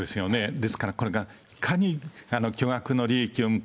ですからこれが、いかに巨額の利益を生むか。